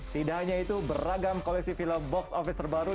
tidak hanya itu beragam koleksi film box office terbaru